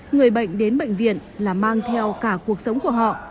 người bệnh đến bệnh viện là mang theo cả cuộc sống của họ